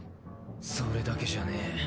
それだけじゃねぇ。